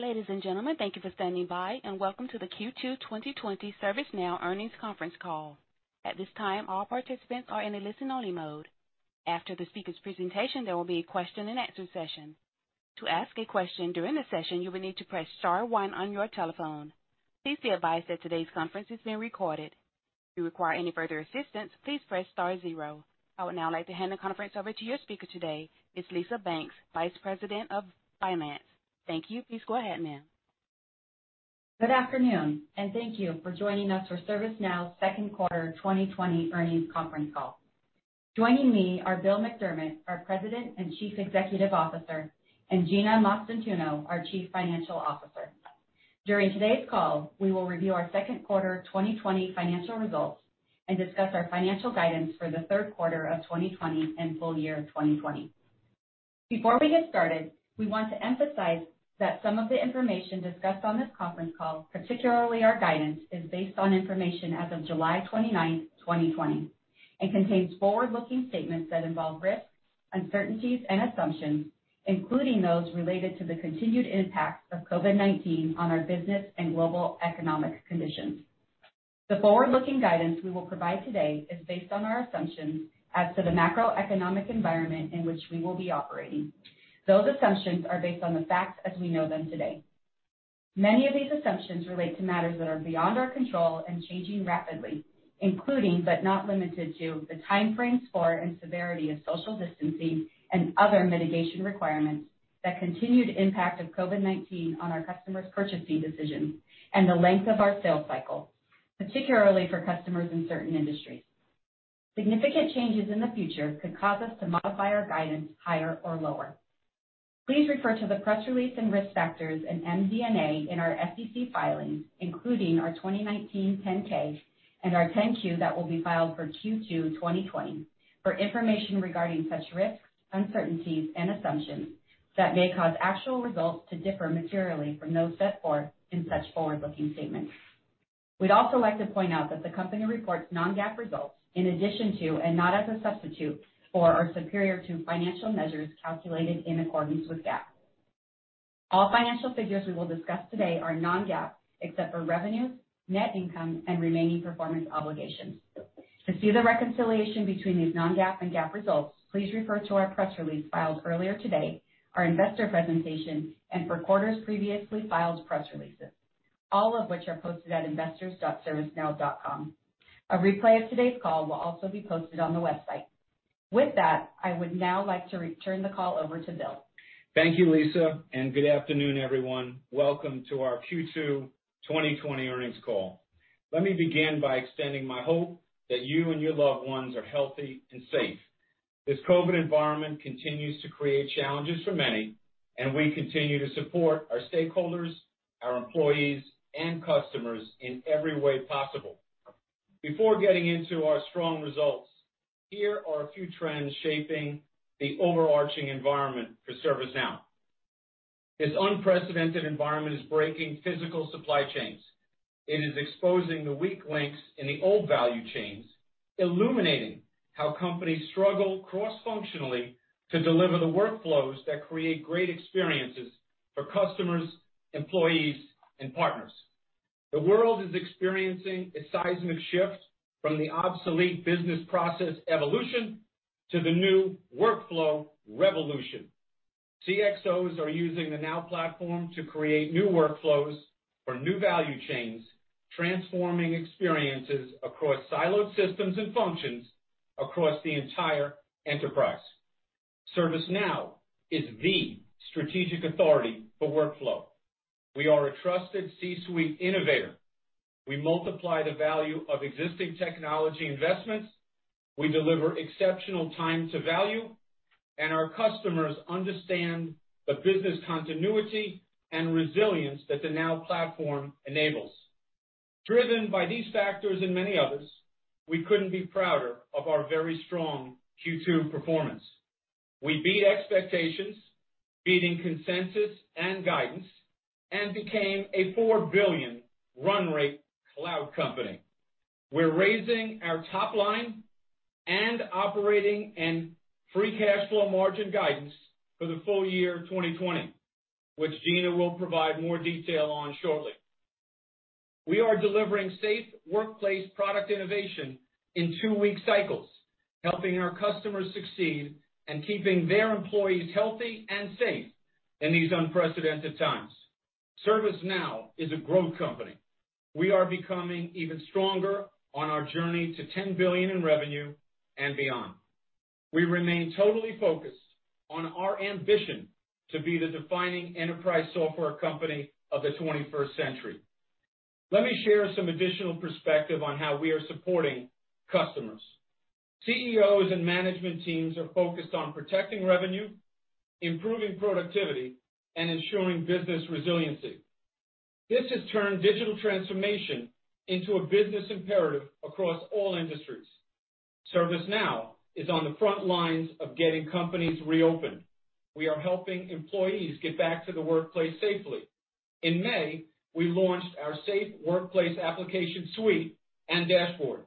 Ladies and gentlemen, thank you for standing by, and welcome to the Q2 2020 ServiceNow earnings conference call. At this time, all participants are in a listen-only mode. After the speaker's presentation, there will be a question-and-answer session. To ask a question during the session, you will need to press star one on your telephone. Please be advised that today's conference is being recorded. If you require any further assistance, please press star zero. I would now like to hand the conference over to your speaker today, Ms. Lisa Banks, Vice President of Finance. Thank you. Please go ahead, ma'am. Good afternoon, and thank you for joining us for ServiceNow's second quarter 2020 earnings conference call. Joining me are Bill McDermott, our President and Chief Executive Officer, and Gina Mastantuono, our Chief Financial Officer. During today's call, we will review our second quarter 2020 financial results and discuss our financial guidance for the third quarter of 2020 and full year 2020. Before we get started, we want to emphasize that some of the information discussed on this conference call, particularly our guidance, is based on information as of July 29, 2020, and contains forward-looking statements that involve risks, uncertainties, and assumptions, including those related to the continued impact of COVID-19 on our business and global economic conditions. The forward-looking guidance we will provide today is based on our assumptions as to the macroeconomic environment in which we will be operating. Those assumptions are based on the facts as we know them today. Many of these assumptions relate to matters that are beyond our control and changing rapidly, including but not limited to the timeframes for and severity of social distancing and other mitigation requirements, the continued impact of COVID-19 on our customers' purchasing decisions, and the length of our sales cycle, particularly for customers in certain industries. Significant changes in the future could cause us to modify our guidance higher or lower. Please refer to the press release and risk factors in MD&A in our SEC filings, including our 2019 10-K and our 10-Q that will be filed for Q2 2020, for information regarding such risks, uncertainties, and assumptions that may cause actual results to differ materially from those set forth in such forward-looking statements. We'd also like to point out that the company reports non-GAAP results in addition to, and not as a substitute for, or superior to, financial measures calculated in accordance with GAAP. All financial figures we will discuss today are non-GAAP, except for revenue, net income, and remaining performance obligations. To see the reconciliation between these non-GAAP and GAAP results, please refer to our press release filed earlier today, our investor presentation, and for quarters previously filed press releases, all of which are posted at investors.servicenow.com. A replay of today's call will also be posted on the website. With that, I would now like to return the call over to Bill. Thank you, Lisa, and good afternoon, everyone. Welcome to our Q2 2020 earnings call. Let me begin by extending my hope that you and your loved ones are healthy and safe. This COVID-19 environment continues to create challenges for many, and we continue to support our stakeholders, our employees, and customers in every way possible. Before getting into our strong results, here are a few trends shaping the overarching environment for ServiceNow. This unprecedented environment is breaking physical supply chains. It is exposing the weak links in the old value chains, illuminating how companies struggle cross-functionally to deliver the workflows that create great experiences for customers, employees, and partners. The world is experiencing a seismic shift from the obsolete business process evolution to the new workflow revolution. CXOs are using the Now Platform to create new workflows for new value chains, transforming experiences across siloed systems and functions across the entire enterprise. ServiceNow is the strategic authority for workflow. We are a trusted C-suite innovator. We multiply the value of existing technology investments. We deliver exceptional time to value, and our customers understand the business continuity and resilience that the Now Platform enables. Driven by these factors and many others, we couldn't be prouder of our very strong Q2 performance. We beat expectations, beating consensus and guidance, and became a $4 billion run rate cloud company. We're raising our top line and operating and free cash flow margin guidance for the full year 2020, which Gina will provide more detail on shortly. We are delivering Safe Workplace product innovation in two-week cycles, helping our customers succeed and keeping their employees healthy and safe in these unprecedented times. ServiceNow is a growth company. We are becoming even stronger on our journey to $10 billion in revenue and beyond. We remain totally focused on our ambition to be the defining enterprise software company of the 21st century. Let me share some additional perspective on how we are supporting customers. CEOs and management teams are focused on protecting revenue, improving productivity, and ensuring business resiliency. This has turned digital transformation into a business imperative across all industries. ServiceNow is on the front lines of getting companies reopened. We are helping employees get back to the workplace safely. In May, we launched our Safe Workplace application suite and dashboard.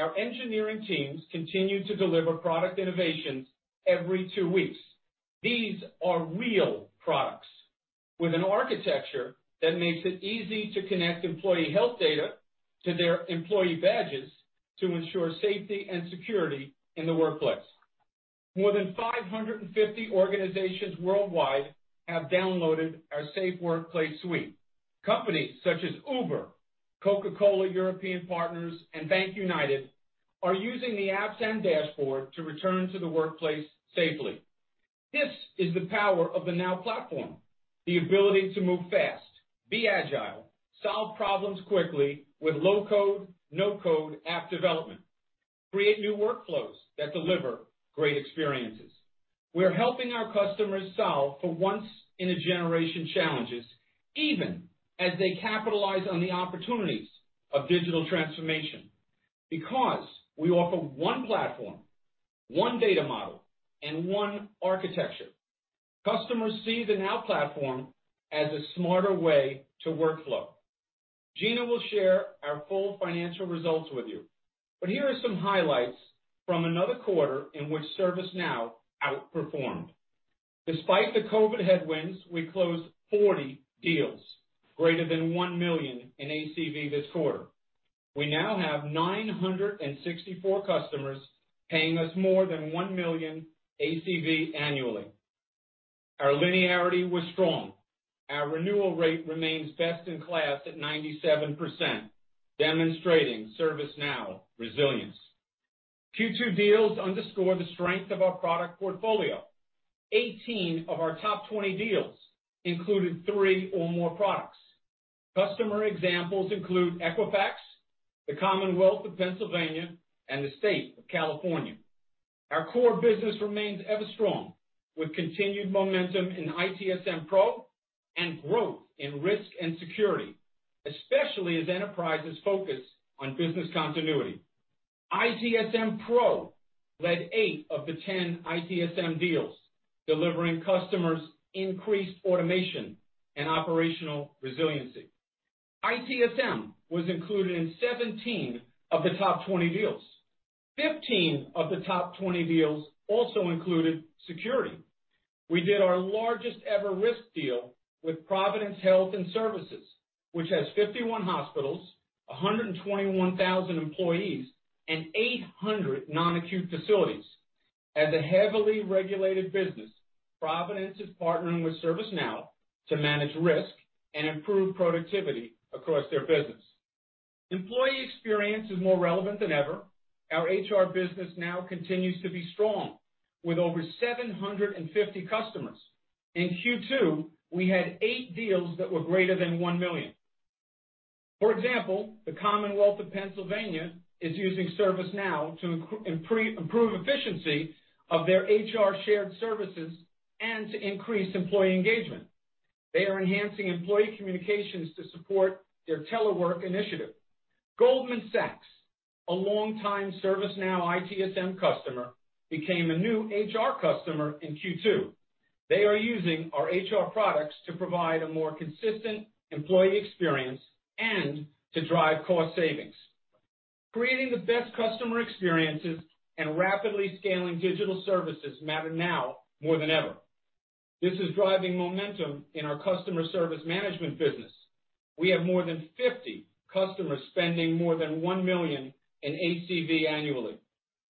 Our engineering teams continue to deliver product innovations every two weeks. These are real products with an architecture that makes it easy to connect employee health data to their employee badges to ensure safety and security in the workplace. More than 550 organizations worldwide have downloaded our Safe Workplace suite. Companies such as Uber, Coca-Cola European Partners, and BankUnited are using the apps and dashboard to return to the workplace safely. This is the power of the Now Platform. The ability to move fast, be agile, solve problems quickly with low-code, no-code app development, create new workflows that deliver great experiences. We're helping our customers solve for once in a generation challenges, even as they capitalize on the opportunities of digital transformation. We offer one platform, one data model, and one architecture. Customers see the Now Platform as a smarter way to workflow. Gina will share our full financial results with you. Here are some highlights from another quarter in which ServiceNow outperformed. Despite the COVID headwinds, we closed 40 deals greater than $1 million in ACV this quarter. We now have 964 customers paying us more than $1 million ACV annually. Our linearity was strong. Our renewal rate remains best in class at 97%, demonstrating ServiceNow resilience. Q2 deals underscore the strength of our product portfolio. 18 of our top 20 deals included three or more products. Customer examples include Equifax, the Commonwealth of Pennsylvania, and the State of California. Our core business remains ever strong with continued momentum in ITSM Pro and growth in risk and security, especially as enterprises focus on business continuity. ITSM Pro led eight of the 10 ITSM deals, delivering customers increased automation and operational resiliency. ITSM was included in 17 of the top 20 deals. 15 of the top 20 deals also included security. We did our largest ever risk deal with Providence Health & Services, which has 51 hospitals, 121,000 employees, and 800 non-acute facilities. As a heavily regulated business, Providence is partnering with ServiceNow to manage risk and improve productivity across their business. Employee experience is more relevant than ever. Our HR business now continues to be strong with over 750 customers. In Q2, we had eight deals that were greater than $1 million. For example, the Commonwealth of Pennsylvania is using ServiceNow to improve efficiency of their HR shared services and to increase employee engagement. They are enhancing employee communications to support their telework initiative. Goldman Sachs, a longtime ServiceNow ITSM customer, became a new HR customer in Q2. They are using our HR products to provide a more consistent employee experience and to drive cost savings. Creating the best customer experiences and rapidly scaling digital services matter now more than ever. This is driving momentum in our customer service management business. We have more than 50 customers spending more than $1 million in ACV annually.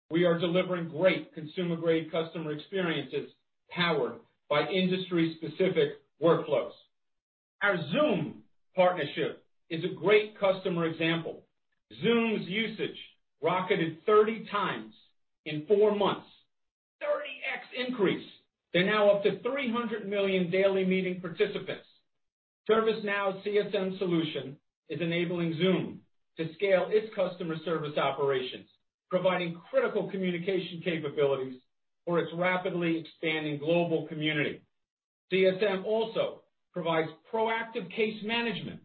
We are delivering great consumer-grade customer experiences powered by industry-specific workflows. Our Zoom partnership is a great customer example. Zoom's usage rocketed 30 times in four months, 30x increase. They're now up to 300 million daily meeting participants. ServiceNow CSM solution is enabling Zoom to scale its customer service operations, providing critical communication capabilities for its rapidly expanding global community. CSM also provides proactive case management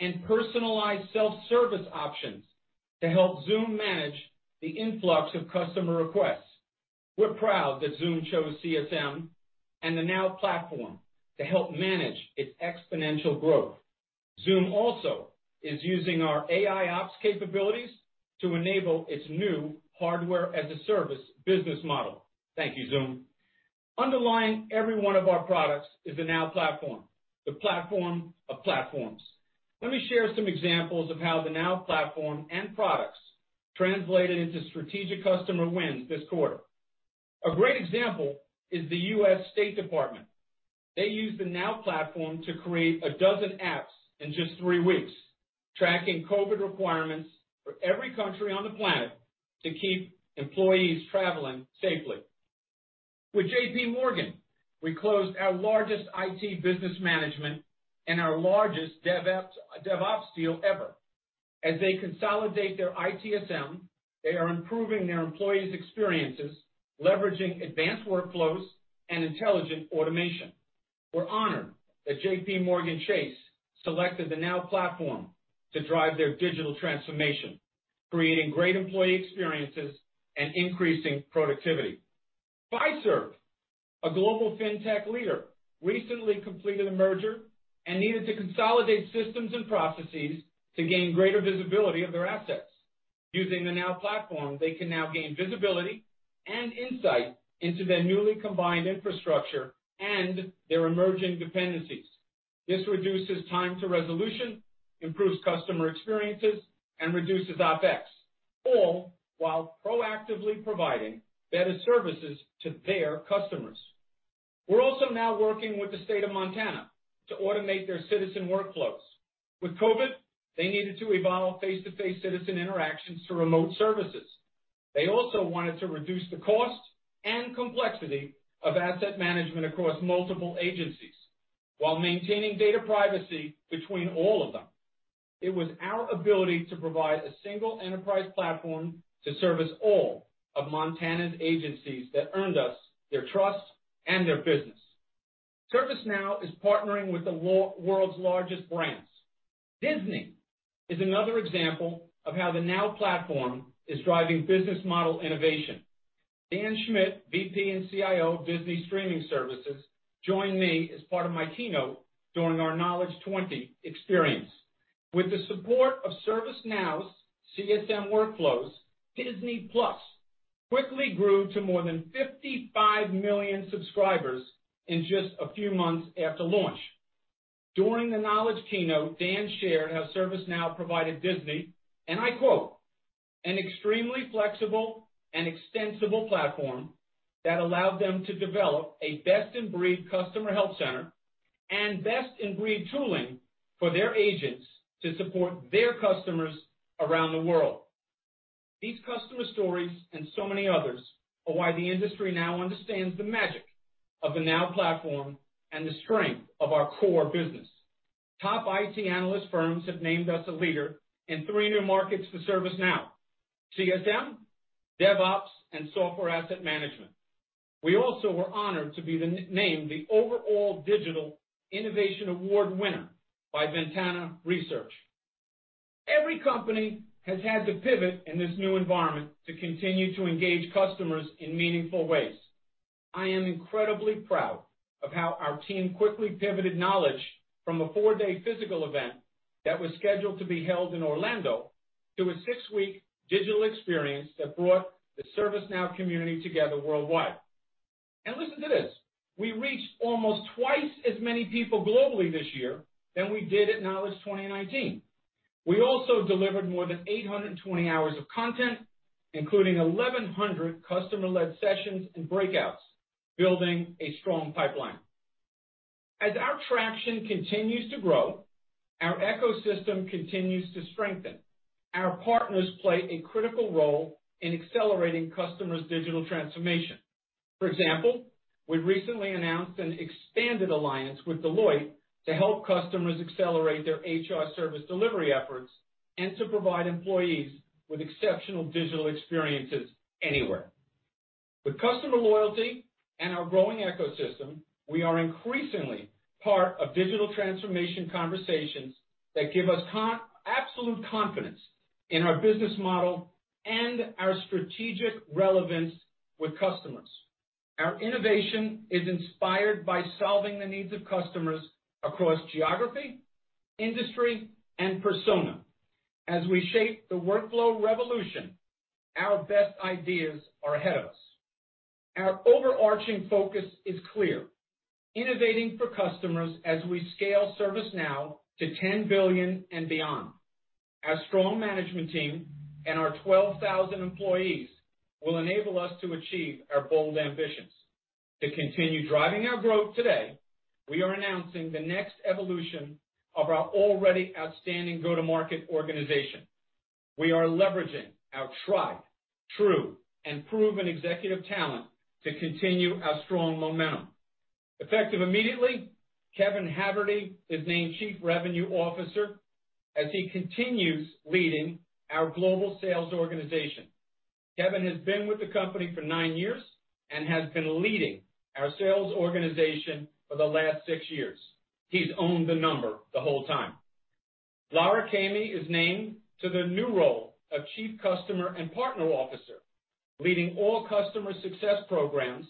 and personalized self-service options to help Zoom manage the influx of customer requests. We're proud that Zoom chose CSM and the Now Platform to help manage its exponential growth. Zoom also is using our AIOps capabilities to enable its new hardware-as-a-service business model. Thank you, Zoom. Underlying every one of our products is the Now Platform, the platform of platforms. Let me share some examples of how the Now Platform and products translated into strategic customer wins this quarter. A great example is the U.S. State Department. They used the Now Platform to create 12 apps in just three weeks, tracking COVID requirements for every country on the planet to keep employees traveling safely. With JPMorgan, we closed our largest IT Business Management and our largest DevOps deal ever. As they consolidate their ITSM, they are improving their employees' experiences, leveraging advanced workflows and intelligent automation. We're honored that JPMorgan Chase selected the Now Platform to drive their digital transformation, creating great employee experiences and increasing productivity. Fiserv, a global fintech leader, recently completed a merger and needed to consolidate systems and processes to gain greater visibility of their assets. Using the Now Platform, they can now gain visibility and insight into their newly combined infrastructure and their emerging dependencies. This reduces time to resolution, improves customer experiences, and reduces OpEx, all while proactively providing better services to their customers. We're also now working with the State of Montana to automate their citizen workflows. With COVID, they needed to evolve face-to-face citizen interactions to remote services. They also wanted to reduce the cost and complexity of asset management across multiple agencies while maintaining data privacy between all of them. It was our ability to provide a single enterprise platform to service all of Montana's agencies that earned us their trust and their business. ServiceNow is partnering with the world's largest brands. Disney is another example of how the Now Platform is driving business model innovation. Dan Schmitt, VP and CIO of Disney Streaming Services, joined me as part of my keynote during our Knowledge 2020 experience. With the support of ServiceNow's CSM workflows, Disney+ quickly grew to more than 55 million subscribers in just a few months after launch. During the Knowledge keynote, Dan shared how ServiceNow provided Disney, and I quote, "An extremely flexible and extensible platform that allowed them to develop a best-in-breed customer health center and best-in-breed tooling for their agents to support their customers around the world." These customer stories and so many others are why the industry now understands the magic of the Now Platform and the strength of our core business. Top IT analyst firms have named us a leader in three new markets for ServiceNow: CSM, DevOps, and Software Asset Management. We also were honored to be named the overall Digital Innovation Award winner by Ventana Research. Every company has had to pivot in this new environment to continue to engage customers in meaningful ways. I am incredibly proud of how our team quickly pivoted Knowledge from a four-day physical event that was scheduled to be held in Orlando to a six week digital experience that brought the ServiceNow community together worldwide. Listen to this, we reached almost twice as many people globally this year than we did at Knowledge 2019. We also delivered more than 820 hours of content, including 1,100 customer-led sessions and breakouts, building a strong pipeline. As our traction continues to grow, our ecosystem continues to strengthen. Our partners play a critical role in accelerating customers' digital transformation. For example, we recently announced an expanded alliance with Deloitte to help customers accelerate their HR Service Delivery efforts and to provide employees with exceptional digital experiences anywhere. With customer loyalty and our growing ecosystem, we are increasingly part of digital transformation conversations that give us absolute confidence in our business model and our strategic relevance with customers. Our innovation is inspired by solving the needs of customers across geography, industry, and persona. As we shape the workflow revolution, our best ideas are ahead of us. Our overarching focus is clear, innovating for customers as we scale ServiceNow to $10 billion and beyond. Our strong management team and our 12,000 employees will enable us to achieve our bold ambitions. To continue driving our growth today, we are announcing the next evolution of our already outstanding go-to-market organization. We are leveraging our tried, true, and proven executive talent to continue our strong momentum. Effective immediately, Kevin Haverty is named Chief Revenue Officer as he continues leading our global sales organization. Kevin has been with the company for nine years and has been leading our sales organization for the last six years. He's owned the number the whole time. Lara Caimi is named to the new role of Chief Customer and Partner Officer, leading all customer success programs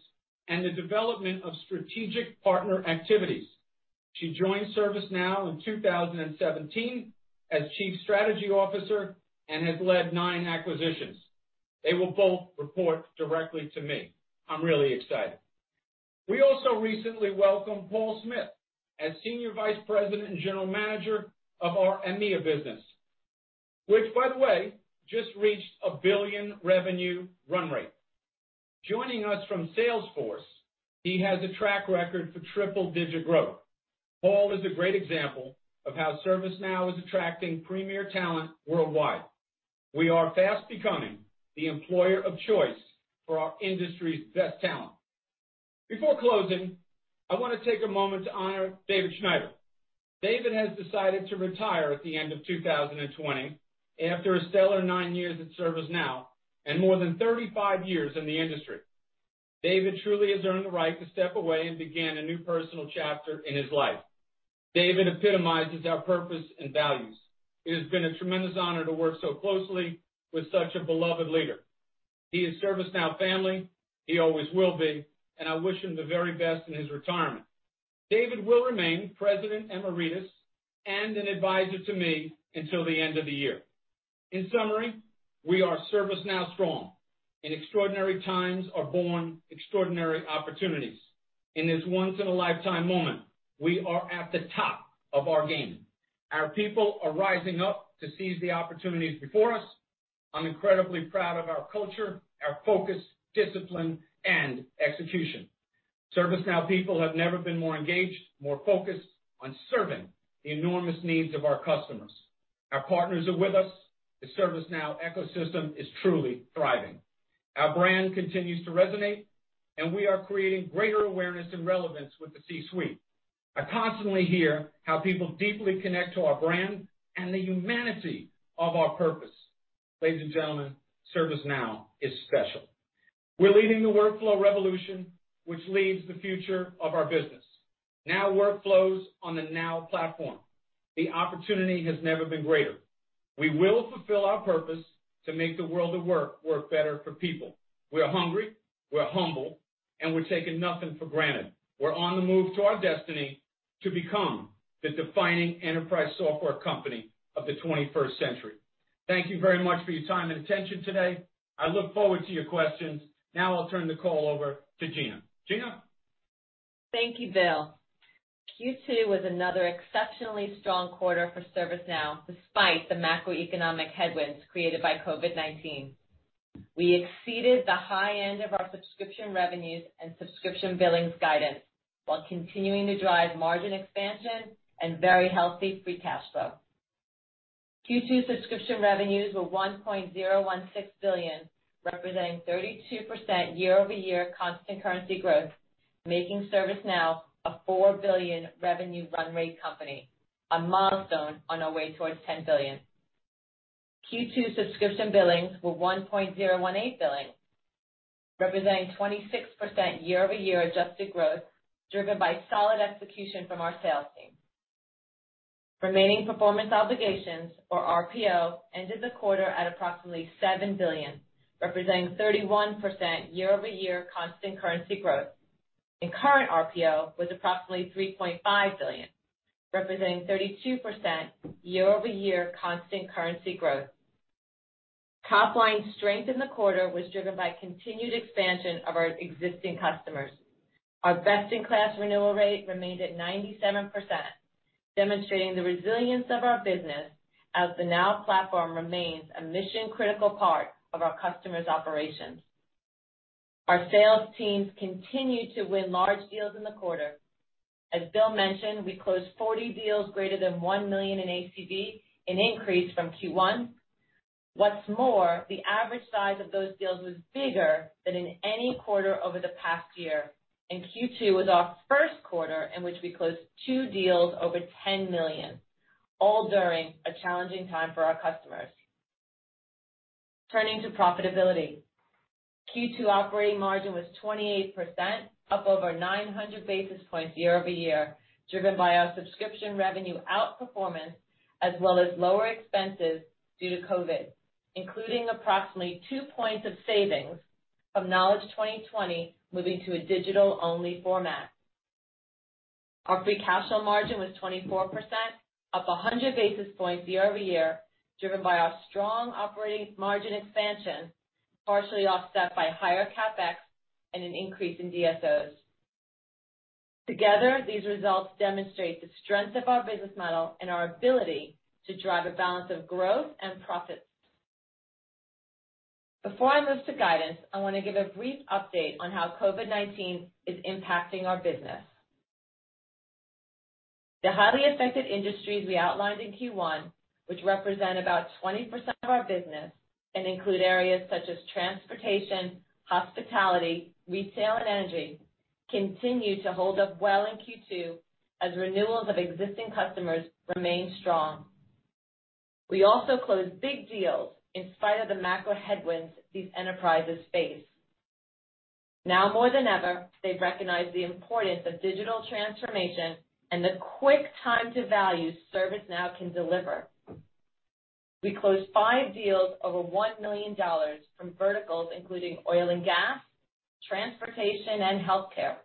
and the development of strategic partner activities. She joined ServiceNow in 2017 as Chief Strategy Officer and has led nine acquisitions. They will both report directly to me. I'm really excited. We also recently welcomed Paul Smith as Senior Vice President and General Manager of our EMEA business, which by the way, just reached a $1 billion revenue run rate. Joining us from Salesforce, he has a track record for triple-digit growth. Paul is a great example of how ServiceNow is attracting premier talent worldwide. We are fast becoming the employer of choice for our industry's best talent. Before closing, I want to take a moment to honor David Schneider. David has decided to retire at the end of 2020 after a stellar nine years at ServiceNow and more than 35-years in the industry. David truly has earned the right to step away and begin a new personal chapter in his life. David epitomizes our purpose and values. It has been a tremendous honor to work so closely with such a beloved leader. He is ServiceNow family, he always will be, and I wish him the very best in his retirement. David will remain President Emeritus and an advisor to me until the end of the year. In summary, we are ServiceNow strong. In extraordinary times are born extraordinary opportunities. In this once in a lifetime moment, we are at the top of our game. Our people are rising up to seize the opportunities before us. I'm incredibly proud of our culture, our focus, discipline, and execution. ServiceNow people have never been more engaged, more focused on serving the enormous needs of our customers. Our partners are with us. The ServiceNow ecosystem is truly thriving. Our brand continues to resonate, and we are creating greater awareness and relevance with the C-suite. I constantly hear how people deeply connect to our brand and the humanity of our purpose. Ladies and gentlemen, ServiceNow is special. We're leading the workflow revolution, which leads the future of our business. Now workflows on the Now Platform. The opportunity has never been greater. We will fulfill our purpose to make the world of work better for people. We're hungry, we're humble, and we're taking nothing for granted. We're on the move to our destiny to become the defining enterprise software company of the 21st century. Thank you very much for your time and attention today. I look forward to your questions. Now I'll turn the call over to Gina. Gina. Thank you, Bill. Q2 was another exceptionally strong quarter for ServiceNow, despite the macroeconomic headwinds created by COVID-19. We exceeded the high end of our subscription revenues and subscription billings guidance, while continuing to drive margin expansion and very healthy free cash flow. Q2 subscription revenues were $1.016 billion, representing 32% year-over-year constant currency growth, making ServiceNow a $4 billion revenue run rate company, a milestone on our way towards $10 billion. Q2 subscription billings were $1.018 billion, representing 26% year-over-year adjusted growth, driven by solid execution from our sales team. Remaining performance obligations, or RPO, ended the quarter at approximately $7 billion, representing 31% year-over-year constant currency growth. Current RPO was approximately $3.5 billion, representing 32% year-over-year constant currency growth. Top-line strength in the quarter was driven by continued expansion of our existing customers. Our best-in-class renewal rate remained at 97%, demonstrating the resilience of our business as the Now Platform remains a mission-critical part of our customers' operations. Our sales teams continued to win large deals in the quarter. As Bill mentioned, we closed 40 deals greater than $1 million in ACV, an increase from Q1. What's more, the average size of those deals was bigger than in any quarter over the past year, and Q2 was our first quarter in which we closed two deals over $10 million, all during a challenging time for our customers. Turning to profitability. Q2 operating margin was 28%, up over 900 basis points year-over-year, driven by our subscription revenue outperformance as well as lower expenses due to COVID-19, including approximately two points of savings from Knowledge 2020 moving to a digital-only format. Our free cash flow margin was 24%, up 100 basis points year-over-year, driven by our strong operating margin expansion, partially offset by higher CapEx and an increase in DSOs. Together, these results demonstrate the strength of our business model and our ability to drive a balance of growth and profits. Before I move to guidance, I want to give a brief update on how COVID-19 is impacting our business. The highly affected industries we outlined in Q1, which represent about 20% of our business and include areas such as transportation, hospitality, retail, and energy, continue to hold up well in Q2 as renewals of existing customers remain strong. We also closed big deals in spite of the macro headwinds these enterprises face. Now more than ever, they've recognized the importance of digital transformation and the quick time to value ServiceNow can deliver. We closed five deals over $1 million from verticals including oil and gas, transportation, and healthcare.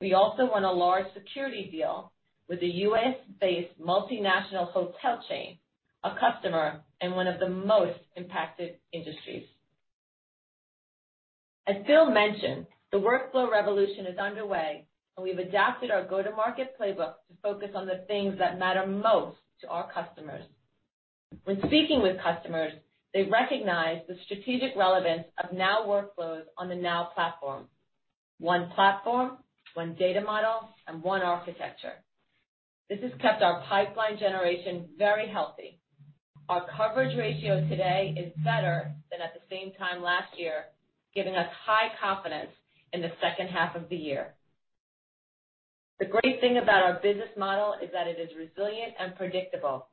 We also won a large security deal with a U.S.-based multinational hotel chain, a customer in one of the most impacted industries. As Bill mentioned, the workflow revolution is underway, and we've adapted our go-to-market playbook to focus on the things that matter most to our customers. When speaking with customers, they recognize the strategic relevance of Now workflows on the Now Platform. One platform, one data model, and one architecture. This has kept our pipeline generation very healthy. Our coverage ratio today is better than at the same time last year, giving us high confidence in the second half of the year. The great thing about our business model is that it is resilient and predictable.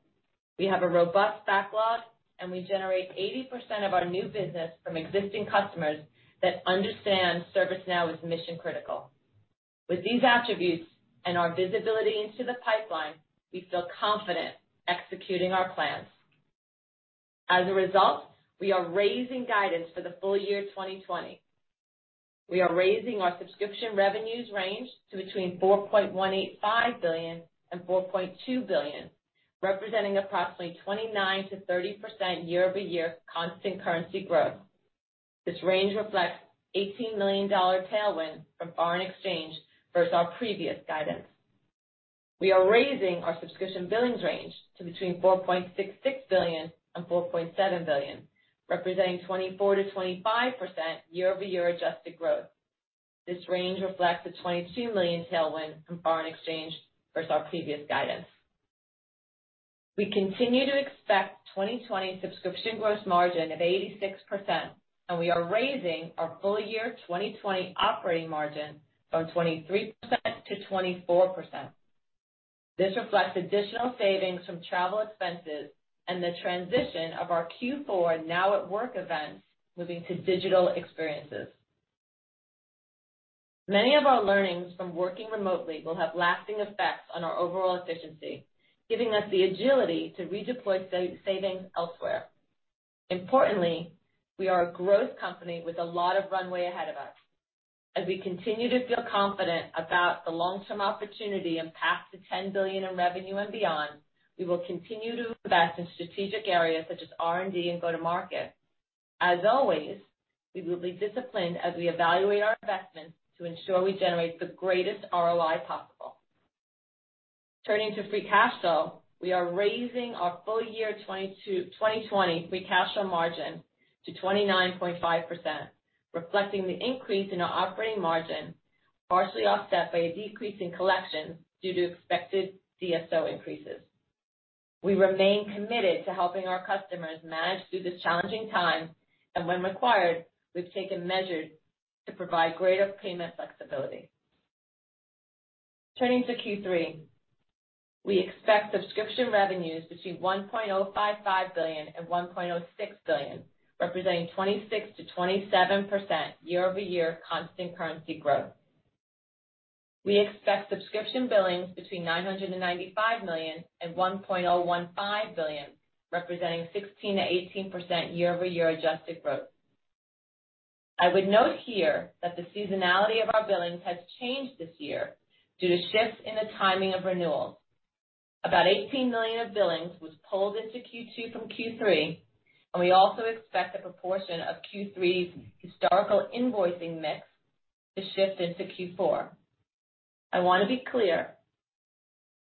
We have a robust backlog, and we generate 80% of our new business from existing customers that understand ServiceNow is mission-critical. With these attributes and our visibility into the pipeline, we feel confident executing our plans. As a result, we are raising guidance for the full year 2020. We are raising our subscription revenues range to between $4.185 billion and $4.2 billion, representing approximately 29%-30% year-over-year constant currency growth. This range reflects $18 million tailwind from foreign exchange versus our previous guidance. We are raising our subscription billings range to between $4.66 billion and $4.7 billion, representing 24%-25% year-over-year adjusted growth. This range reflects a $22 million tailwind from foreign exchange versus our previous guidance. We continue to expect 2020 subscription gross margin of 86%, and we are raising our full year 2020 operating margin from 23%-24%. This reflects additional savings from travel expenses and the transition of our Q4 Now at Work event moving to digital experiences. Many of our learnings from working remotely will have lasting effects on our overall efficiency, giving us the agility to redeploy savings elsewhere. Importantly, we are a growth company with a lot of runway ahead of us. As we continue to feel confident about the long-term opportunity and path to $10 billion in revenue and beyond, we will continue to invest in strategic areas such as R&D and go-to-market. As always, we will be disciplined as we evaluate our investments to ensure we generate the greatest ROI possible. Turning to free cash flow, we are raising our full year 2020 free cash flow margin to 29.5%, reflecting the increase in our operating margin, partially offset by a decrease in collection due to expected DSO increases. We remain committed to helping our customers manage through this challenging time, and when required, we've taken measures to provide greater payment flexibility. Turning to Q3, we expect subscription revenues between $1.055 billion and $1.06 billion, representing 26%-27% year-over-year constant currency growth. We expect subscription billings between $995 million and $1.015 billion, representing 16%-18% year-over-year adjusted growth. I would note here that the seasonality of our billings has changed this year due to shifts in the timing of renewals. About $18 million of billings was pulled into Q2 from Q3, and we also expect a proportion of Q3's historical invoicing mix to shift into Q4. I want to be clear,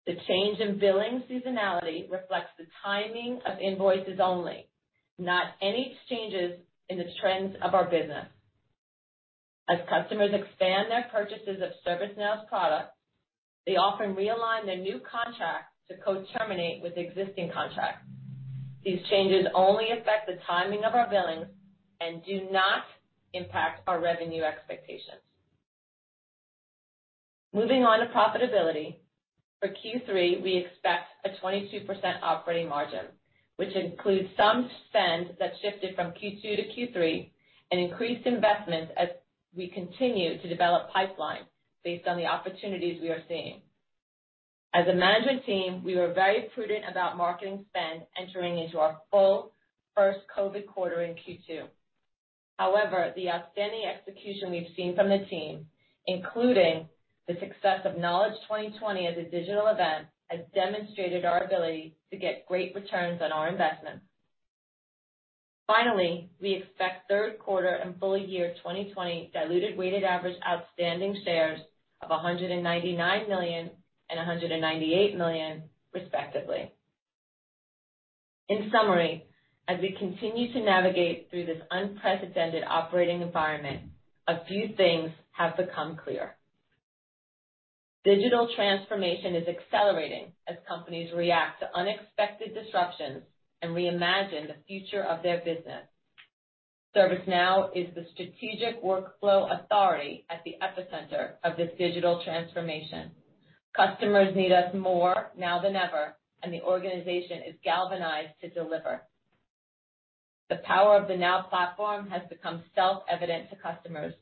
the change in billing seasonality reflects the timing of invoices only, not any changes in the trends of our business. As customers expand their purchases of ServiceNow's products, they often realign their new contract to co-terminate with existing contracts. These changes only affect the timing of our billings and do not impact our revenue expectations. Moving on to profitability. For Q3, we expect a 22% operating margin, which includes some spend that shifted from Q2 to Q3 and increased investments as we continue to develop pipeline based on the opportunities we are seeing. As a management team, we were very prudent about marketing spend entering into our full first COVID quarter in Q2. The outstanding execution we've seen from the team, including the success of Knowledge 2020 as a digital event, has demonstrated our ability to get great returns on our investment. Finally, we expect third quarter and full year 2020 diluted weighted average outstanding shares of 199 million and 198 million, respectively. In summary, as we continue to navigate through this unprecedented operating environment, a few things have become clear. Digital transformation is accelerating as companies react to unexpected disruptions and reimagine the future of their business. ServiceNow is the strategic workflow authority at the epicenter of this digital transformation. Customers need us more now than ever, and the organization is galvanized to deliver. The power of the Now Platform has become self-evident to customers.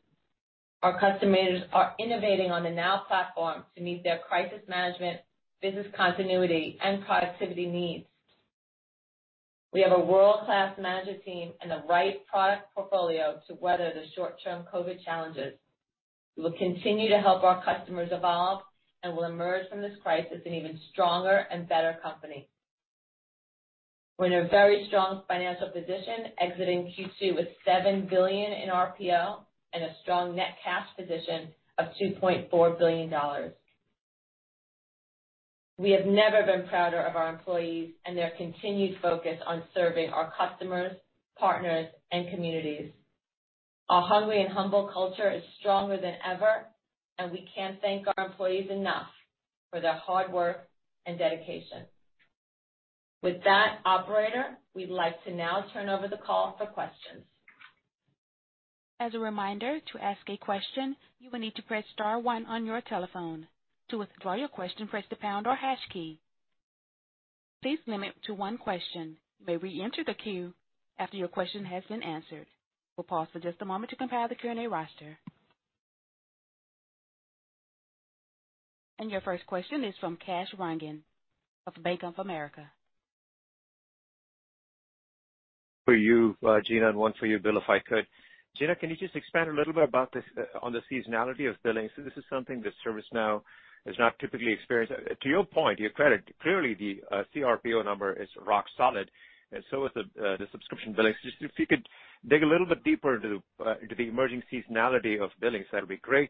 Our customers are innovating on the Now Platform to meet their crisis management, business continuity, and productivity needs. We have a world-class management team and the right product portfolio to weather the short-term COVID challenges. We will continue to help our customers evolve and will emerge from this crisis an even stronger and better company. We're in a very strong financial position, exiting Q2 with $7 billion in RPO and a strong net cash position of $2.4 billion. We have never been prouder of our employees and their continued focus on serving our customers, partners, and communities. Our hungry and humble culture is stronger than ever, and we can't thank our employees enough for their hard work and dedication. With that, operator, we'd like to now turn over the call for questions. As a reminder, to ask a question, you will need to press star one on your telephone. To withdraw your question, press the pound or hash key. Please limit to one question. You may reenter the queue after your question has been answered. We'll pause for just a moment to compile the Q&A roster. Your first question is from Kash Rangan of Bank of America. For you, Gina, and one for you, Bill, if I could. Gina, can you just expand a little bit on the seasonality of billings? This is something that ServiceNow has not typically experienced. To your point, to your credit, clearly the CRPO number is rock solid, and so is the subscription billings. If you could dig a little bit deeper into the emerging seasonality of billings, that'd be great.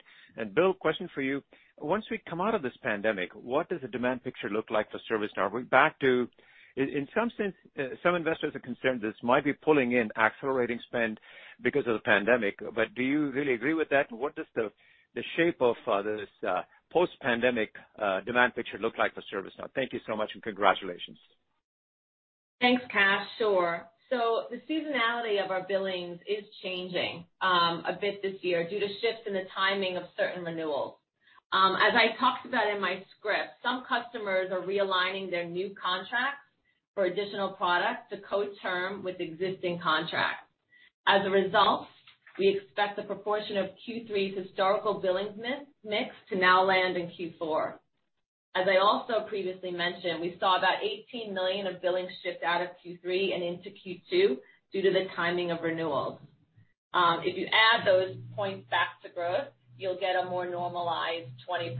Bill, question for you, once we come out of this pandemic, what does the demand picture look like for ServiceNow? In some sense, some investors are concerned this might be pulling in accelerating spend because of the pandemic. Do you really agree with that? What does the shape of this post-pandemic demand picture look like for ServiceNow? Thank you so much, and congratulations. Thanks, Kash. Sure. The seasonality of our billings is changing a bit this year due to shifts in the timing of certain renewals. As I talked about in my script, some customers are realigning their new contracts for additional products to co-term with existing contracts. As a result, we expect the proportion of Q3's historical billings mix to now land in Q4. As I also previously mentioned, we saw about $18 million of billings shift out of Q3 and into Q2 due to the timing of renewals. If you add those points back to growth, you'll get a more normalized 20%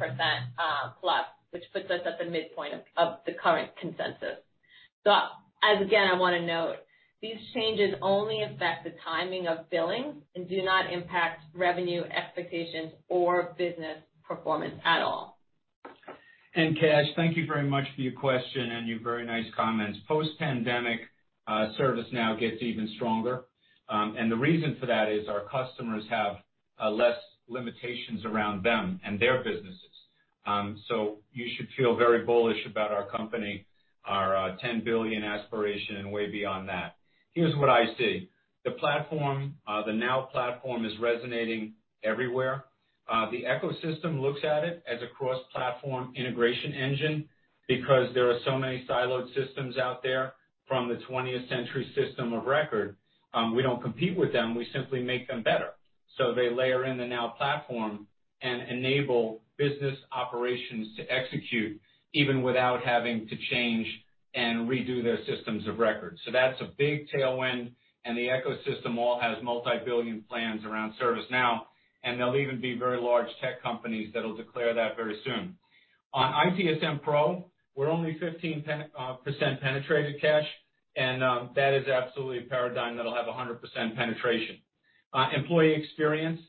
plus, which puts us at the midpoint of the current consensus. Again, I want to note, these changes only affect the timing of billings and do not impact revenue expectations or business performance at all. Kash, thank you very much for your question and your very nice comments. Post pandemic, ServiceNow gets even stronger, and the reason for that is our customers have less limitations around them and their businesses. You should feel very bullish about our company, our $10 billion aspiration, and way beyond that. Here's what I see. The Now Platform is resonating everywhere. The ecosystem looks at it as a cross-platform integration engine because there are so many siloed systems out there from the 20th-century system of record. We don't compete with them. We simply make them better. They layer in the Now Platform and enable business operations to execute, even without having to change and redo their systems of record. That's a big tailwind, and the ecosystem all has multi-billion plans around ServiceNow, and there'll even be very large tech companies that'll declare that very soon. On ITSM Pro, we're only 15% penetrated, Kash. That is absolutely a paradigm that'll have 100% penetration. Employee experience.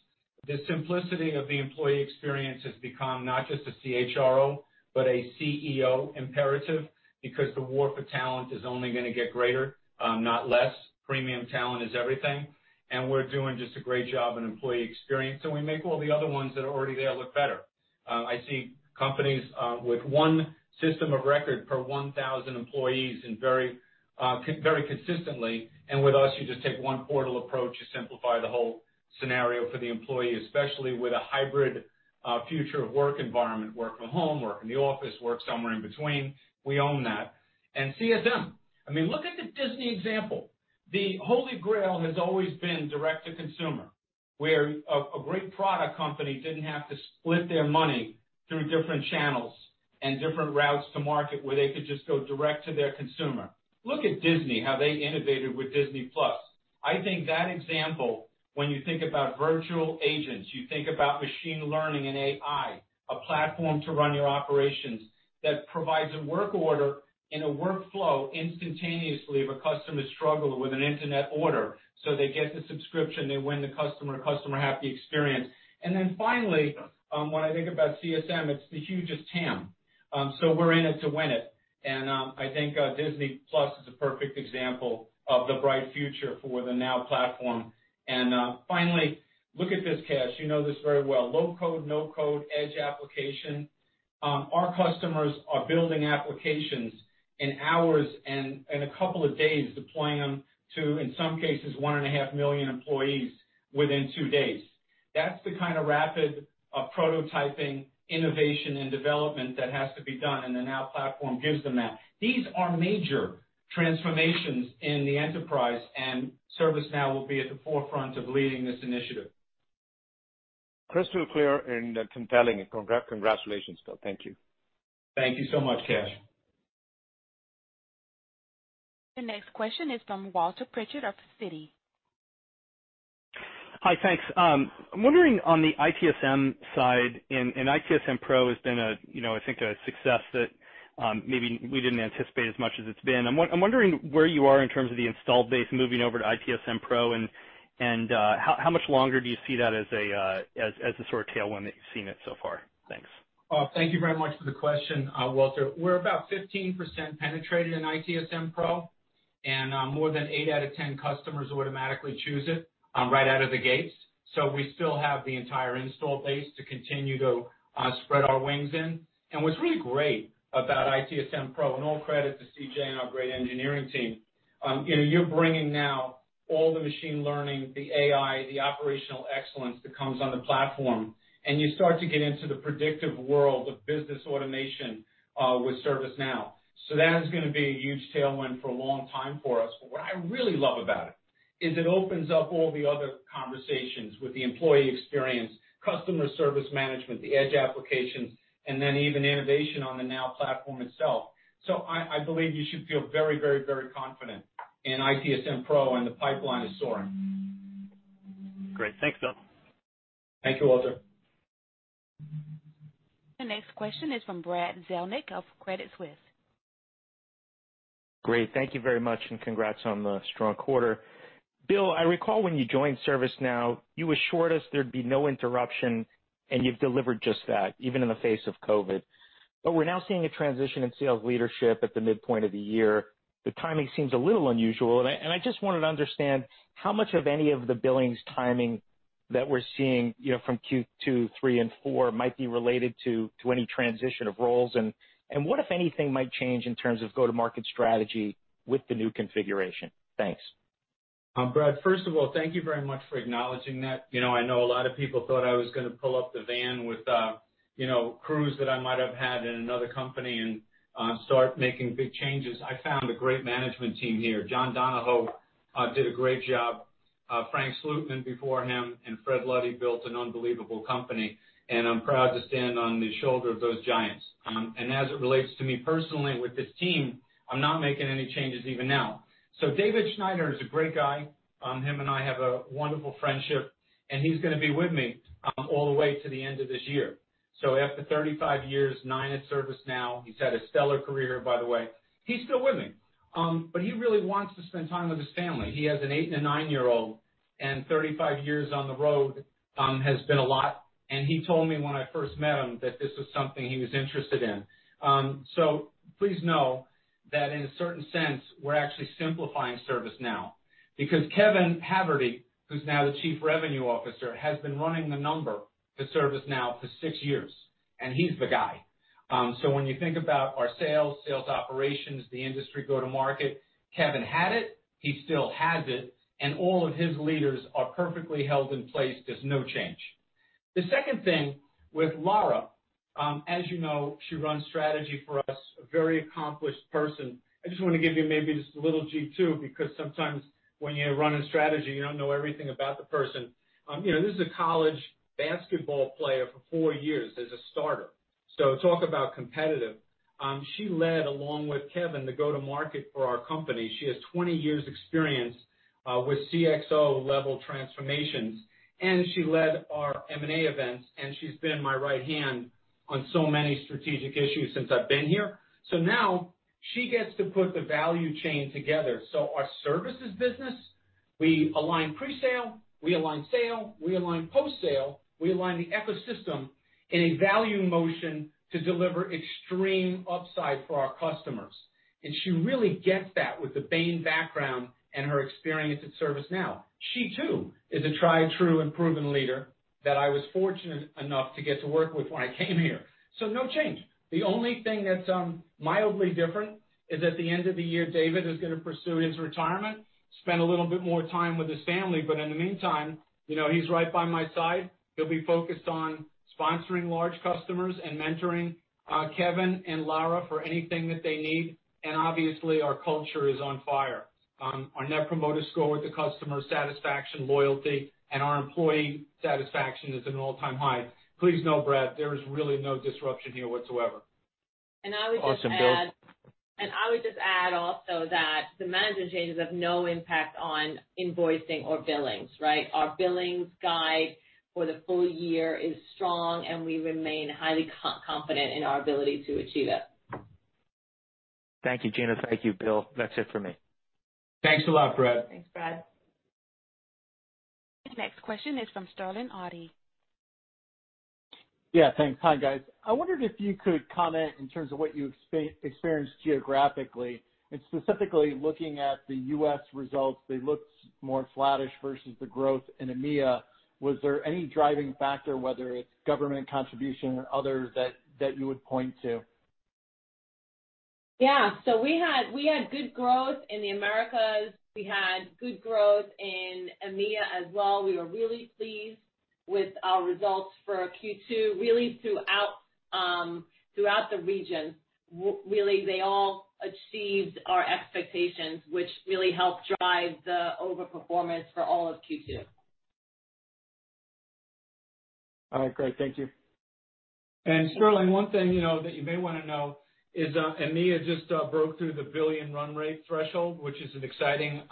The simplicity of the employee experience has become not just a CHRO, but a CEO imperative because the war for talent is only going to get greater, not less. Premium talent is everything. We're doing just a great job in employee experience. We make all the other ones that are already there look better. I see companies with one system of record per 1,000 employees very consistently. With us, you just take one portal approach. You simplify the whole scenario for the employee, especially with a hybrid future of work environment, work from home, work in the office, work somewhere in between. We own that. CSM. Look at the Disney example. The holy grail has always been direct to consumer, where a great product company didn't have to split their money through different channels and different routes to market where they could just go direct to their consumer. Look at Disney, how they innovated with Disney+. I think that example, when you think about virtual agents, you think about machine learning and AI, a platform to run your operations that provides a work order in a workflow instantaneously if a customer struggled with an internet order, so they get the subscription, they win the customer happy experience. Finally, when I think about CSM, it's the hugest TAM. We're in it to win it. I think Disney+ is a perfect example of the bright future for the Now Platform. Finally, look at this, Kash. You know this very well. Low-code, no-code edge application. Our customers are building applications in hours and a couple of days deploying them to, in some cases, 1.5 million employees within two days. That's the kind of rapid prototyping, innovation, and development that has to be done. The Now Platform gives them that. These are major transformations in the enterprise. ServiceNow will be at the forefront of leading this initiative. Crystal clear and compelling. Congratulations, Bill. Thank you. Thank you so much, Kash. The next question is from Walter Pritchard of Citi. Hi, thanks. I'm wondering on the ITSM side. ITSM Pro has been I think a success that maybe we didn't anticipate as much as it's been. I'm wondering where you are in terms of the install base moving over to ITSM Pro and how much longer do you see that as a sort of tailwind that you've seen it so far? Thanks. Thank you very much for the question, Walter. We're about 15% penetrated in ITSM Pro, and more than eight out of 10 customers automatically choose it right out of the gates. We still have the entire install base to continue to spread our wings in. What's really great about ITSM Pro, and all credit to CJ and our great engineering team. You're bringing now all the machine learning, the AI, the operational excellence that comes on the platform, and you start to get into the predictive world of business automation with ServiceNow. That is going to be a huge tailwind for a long time for us. What I really love about it is it opens up all the other conversations with the employee experience, Customer Service Management, the edge applications, and then even innovation on the Now Platform itself. I believe you should feel very confident in ITSM Pro, and the pipeline is soaring. Great. Thanks, Bill. Thank you, Walter. The next question is from Brad Zelnick of Credit Suisse. Great. Thank you very much, and congrats on the strong quarter. Bill, I recall when you joined ServiceNow, you assured us there'd be no interruption, and you've delivered just that, even in the face of COVID. We're now seeing a transition in sales leadership at the midpoint of the year. The timing seems a little unusual, and I just wanted to understand how much of any of the billings timing that we're seeing from Q2, three, and four might be related to any transition of roles, and what, if anything, might change in terms of go-to-market strategy with the new configuration? Thanks. Brad, first of all, thank you very much for acknowledging that. I know a lot of people thought I was going to pull up the van with crews that I might have had in another company and start making big changes. I found a great management team here. John Donahoe did a great job. Frank Slootman before him, and Fred Luddy built an unbelievable company, and I'm proud to stand on the shoulder of those giants. As it relates to me personally with this team, I'm not making any changes even now. David Schneider is a great guy. Him and I have a wonderful friendship, and he's going to be with me all the way to the end of this year. After 35-years, nine at ServiceNow, he's had a stellar career, by the way. He's still with me. He really wants to spend time with his family. He has an eight and a nine year-old, and 35-years on the road has been a lot, and he told me when I first met him that this was something he was interested in. Please know that in a certain sense, we're actually simplifying ServiceNow because Kevin Haverty, who's now the Chief Revenue Officer, has been running the number at ServiceNow for six years, and he's the guy. When you think about our sales operations, the industry go to market, Kevin had it, he still has it, and all of his leaders are perfectly held in place. There's no change. The second thing with Lara, as you know, she runs strategy for us, a very accomplished person. I just want to give you maybe just a little G2, because sometimes when you run a strategy, you don't know everything about the person. This is a college basketball player for four years as a starter. Talk about competitive. She led, along with Kevin, the go-to-market for our company. She has 20-years experience with CXO-level transformations, and she led our M&A events, and she's been my right hand on so many strategic issues since I've been here. Now she gets to put the value chain together. Our services business, we align pre-sale, we align sale, we align post-sale, we align the ecosystem in a value motion to deliver extreme upside for our customers. She really gets that with the Bain background and her experience at ServiceNow. She too is a tried, true, and proven leader that I was fortunate enough to get to work with when I came here. No change. The only thing that's mildly different is at the end of the year, David is going to pursue his retirement, spend a little bit more time with his family. In the meantime, he's right by my side. He'll be focused on sponsoring large customers and mentoring Kevin and Lara for anything that they need. Obviously, our culture is on fire. Our net promoter score with the customer satisfaction, loyalty, and our employee satisfaction is at an all-time high. Please know, Brad, there is really no disruption here whatsoever. Awesome, Bill. I would just add also that the management changes have no impact on invoicing or billings, right. Our billings guide for the full year is strong, and we remain highly confident in our ability to achieve it. Thank you, Gina. Thank you, Bill. That's it for me. Thanks a lot, Brad. Thanks, Brad. The next question is from Sterling Auty. Yeah, thanks. Hi, guys. I wondered if you could comment in terms of what you experienced geographically, and specifically looking at the U.S. results, they looked more flattish versus the growth in EMEA. Was there any driving factor, whether it's government contribution or other, that you would point to? Yeah. We had good growth in the Americas. We had good growth in EMEA as well. We were really pleased with our results for Q2, really throughout the region. Really, they all exceeded our expectations, which really helped drive the over-performance for all of Q2. All right, great. Thank you. Sterling, one thing that you may want to know is EMEA just broke through the billion run rate threshold, which is an exciting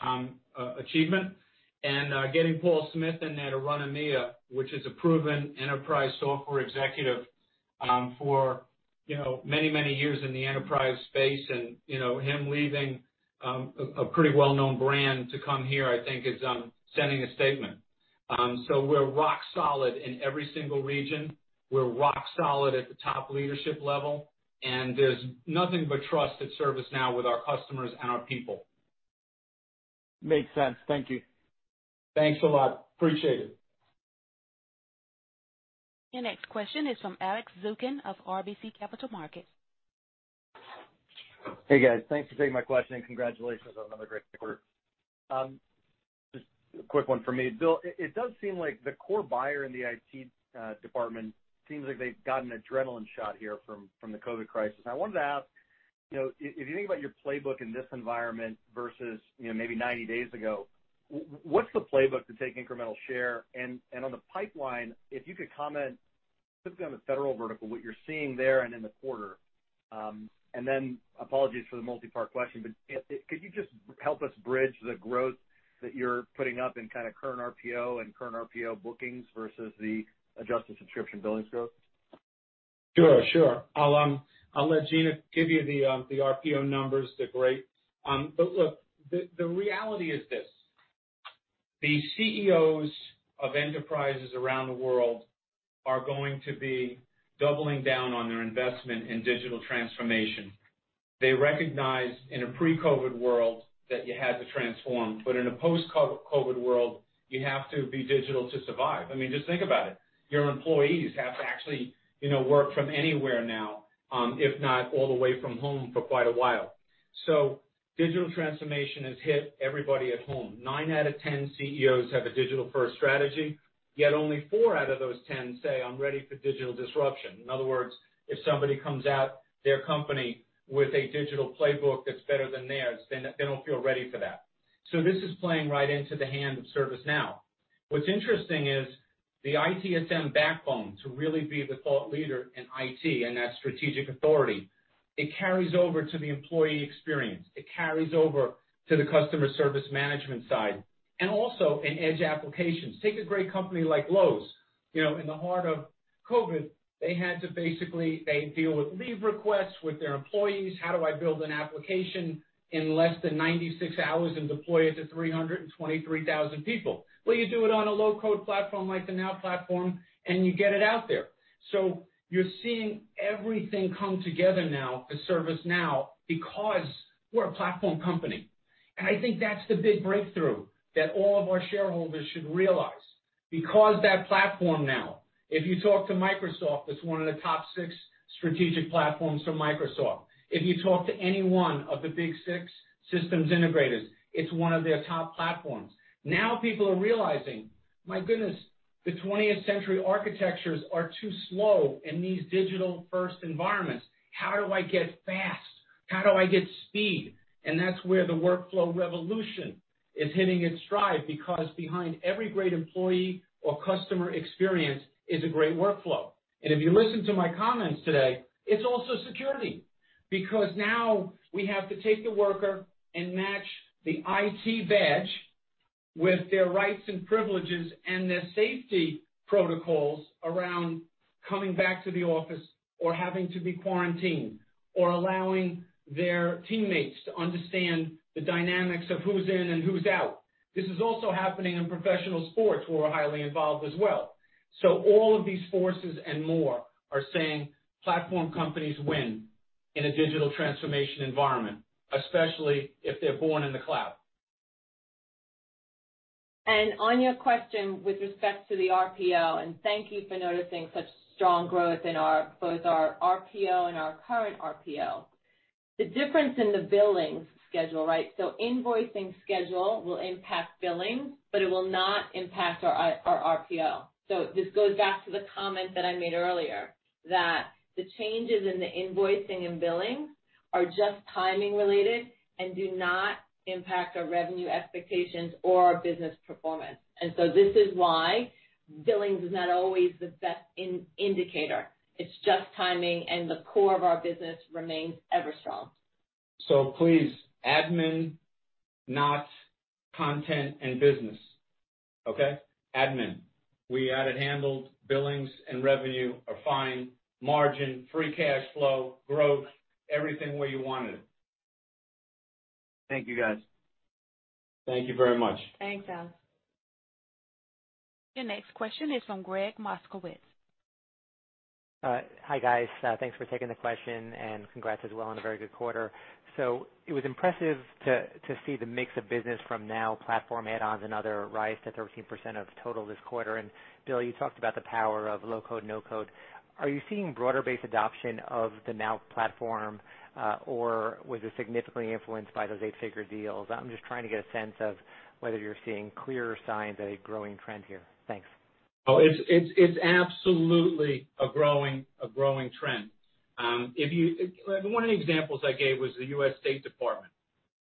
achievement. Getting Paul Smith in there to run EMEA, which is a proven enterprise software executive for many years in the enterprise space, and him leaving a pretty well-known brand to come here, I think, is sending a statement. We're rock solid in every single region. We're rock solid at the top leadership level, and there's nothing but trust at ServiceNow with our customers and our people. Makes sense. Thank you. Thanks a lot. Appreciate it. Your next question is from Alex Zukin of RBC Capital Markets. Thanks for taking my question, congratulations on another great quarter. Just a quick one for me. Bill, it does seem like the core buyer in the IT department, seems like they've got an adrenaline shot here from the COVID-19 crisis. I wanted to ask, if you think about your playbook in this environment versus maybe 90-days ago, what's the playbook to take incremental share? On the pipeline, if you could comment specifically on the federal vertical, what you're seeing there and in the quarter. Apologies for the multi-part question, but could you just help us bridge the growth that you're putting up in kind of current RPO and current RPO bookings versus the adjusted subscription billings growth? Sure. I'll let Gina give you the RPO numbers, the rates. Look, the reality is this. The CEOs of enterprises around the world are going to be doubling down on their investment in digital transformation. They recognized in a pre-COVID-19 world that you had to transform, but in a post-COVID-19 world, you have to be digital to survive. I mean, just think about it. Your employees have to actually work from anywhere now, if not all the way from home for quite a while. Digital transformation has hit everybody at home. Nine out of 10 CEOs have a digital-first strategy, yet only four out of those 10 say, "I'm ready for digital disruption." In other words, if somebody comes at their company with a digital playbook that's better than theirs, they don't feel ready for that. This is playing right into the hand of ServiceNow. What's interesting is the ITSM backbone to really be the thought leader in IT and that strategic authority, it carries over to the employee experience, it carries over to the customer service management side, and also in edge applications. Take a great company like Lowe's. In the heart of COVID, they had to basically deal with leave requests with their employees. How do I build an application in less than 96 hours and deploy it to 323,000 people? Well, you do it on a low-code platform like the Now Platform, and you get it out there. You're seeing everything come together now for ServiceNow because we're a platform company. I think that's the big breakthrough that all of our shareholders should realize. Because that platform now, if you talk to Microsoft, it's one of the top six strategic platforms for Microsoft. If you talk to any one of the big six systems integrators, it's one of their top platforms. Now people are realizing, my goodness, the 20th-century architectures are too slow in these digital-first environments. How do I get fast? How do I get speed? That's where the workflow revolution is hitting its stride, because behind every great employee or customer experience is a great workflow. If you listen to my comments today, it's also security, because now we have to take the worker and match the IT badge with their rights and privileges and their safety protocols around coming back to the office or having to be quarantined or allowing their teammates to understand the dynamics of who's in and who's out. This is also happening in professional sports, where we're highly involved as well. All of these forces and more are saying platform companies win in a digital transformation environment, especially if they're born in the cloud. On your question with respect to the RPO, thank you for noticing such strong growth in both our RPO and our current RPO. The difference in the billings schedule, right? Invoicing schedule will impact billing, but it will not impact our RPO. This goes back to the comment that I made earlier, that the changes in the invoicing and billing are just timing related and do not impact our revenue expectations or our business performance. This is why billings is not always the best indicator. It's just timing, and the core of our business remains ever strong. Please, admin, not content and business. Okay? Admin. We had it handled. Billings and revenue are fine. Margin, free cash flow, growth, everything where you want it. Thank you, guys. Thank you very much. Thanks, Alex. Your next question is from Gregg Moskowitz. Hi, guys. Thanks for taking the question. Congrats as well on a very good quarter. It was impressive to see the mix of business from Now Platform add-ons and other rise to 13% of total this quarter. Bill, you talked about the power of low-code, no-code. Are you seeing broader-based adoption of the Now Platform? Was it significantly influenced by those eight figure deals? I'm just trying to get a sense of whether you're seeing clear signs of a growing trend here. Thanks. It's absolutely a growing trend. One of the examples I gave was the U.S. State Department.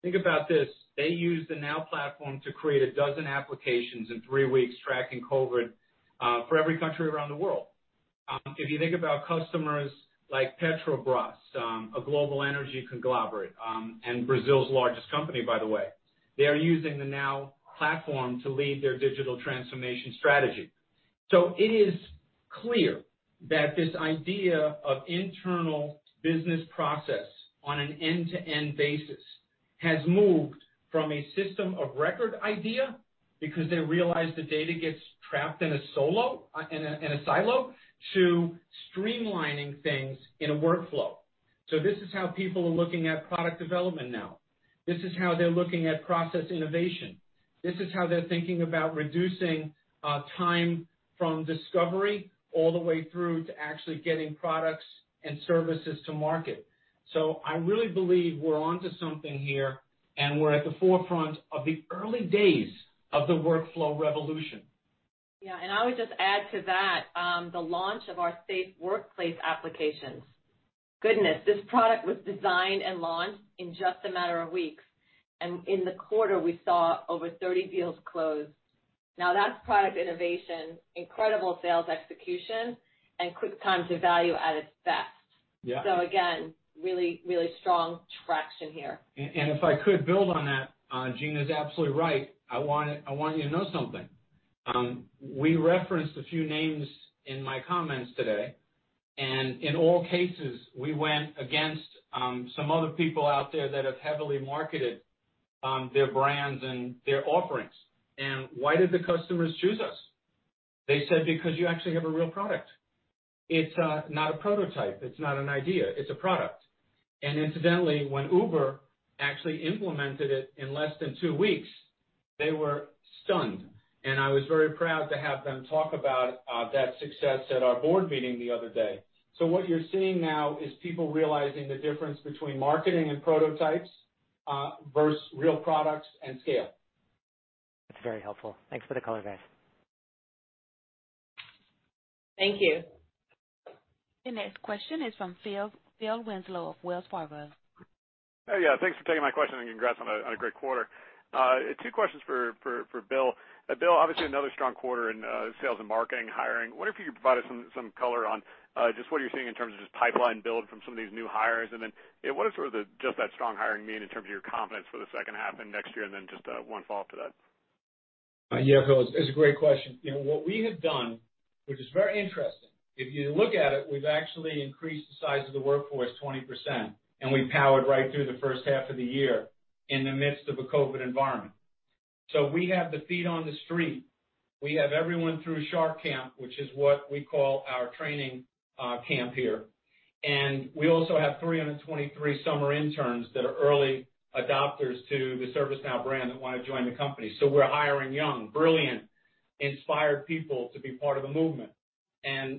Think about this. They used the Now Platform to create a dozen applications in three weeks, tracking COVID-19 for every country around the world. If you think about customers like Petrobras, a global energy conglomerate, and Brazil's largest company, by the way. They are using the Now Platform to lead their digital transformation strategy. It is clear that this idea of internal business process on an end-to-end basis has moved from a system of record idea, because they realize the data gets trapped in a silo, to streamlining things in a workflow. This is how people are looking at product development now. This is how they're looking at process innovation. This is how they're thinking about reducing time from discovery all the way through to actually getting products and services to market. I really believe we're onto something here, and we're at the forefront of the early days of the workflow revolution. Yeah. I would just add to that, the launch of our Safe Workplace applications. Goodness, this product was designed and launched in just a matter of weeks. In the quarter, we saw over 30 deals closed. Now, that's product innovation, incredible sales execution, and quick time to value at its best. Yeah. Again, really strong traction here. If I could build on that, Gina's absolutely right. I want you to know something. We referenced a few names in my comments today, and in all cases, we went against some other people out there that have heavily marketed their brands and their offerings. Why did the customers choose us? They said, "Because you actually have a real product. It's not a prototype. It's not an idea. It's a product." Incidentally, when Uber actually implemented it in less than two weeks, they were stunned. I was very proud to have them talk about that success at our board meeting the other day. What you're seeing now is people realizing the difference between marketing and prototypes versus real products and scale. That's very helpful. Thanks for the color, guys. Thank you. The next question is from Phil Winslow of Wells Fargo. Thanks for taking my question, and congrats on a great quarter. Two questions for Bill. Bill, obviously another strong quarter in sales and marketing, hiring. I wonder if you could provide us some color on just what you're seeing in terms of just pipeline build from some of these new hires. What does sort of just that strong hiring mean in terms of your confidence for the second half and next year? Just one follow-up to that. Yeah, Phil, it's a great question. What we have done, which is very interesting, if you look at it, we've actually increased the size of the workforce 20%, and we powered right through the first half of the year in the midst of a COVID environment. We have the feet on the street. We have everyone through Shark Camp, which is what we call our training camp here. We also have 323 summer interns that are early adopters to the ServiceNow brand that want to join the company. We're hiring young, brilliant, inspired people to be part of the movement.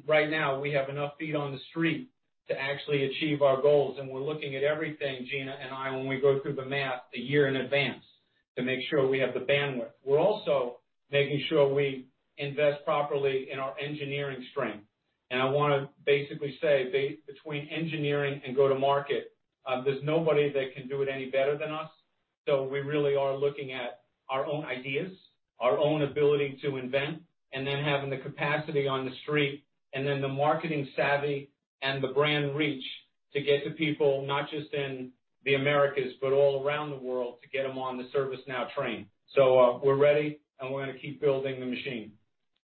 Right now, we have enough feet on the street to actually achieve our goals. We're looking at everything, Gina and I, when we go through the math a year in advance to make sure we have the bandwidth. We're also making sure we invest properly in our engineering strength. I want to basically say, between engineering and go-to-market, there's nobody that can do it any better than us. We really are looking at our own ideas, our own ability to invent, and then having the capacity on the street, and then the marketing savvy and the brand reach to get to people, not just in the Americas, but all around the world, to get them on the ServiceNow train. We're ready, and we're going to keep building the machine.